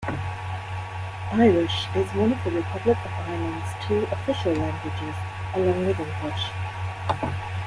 Irish is one of the Republic of Ireland's two official languages along with English.